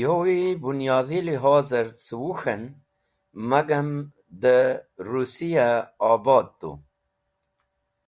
Yowi bũnyodhi lihozer ce Wuk̃h en, magam dẽ Russiya obod tu.